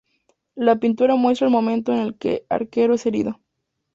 La pintura muestra el momento en que el arquero es herido.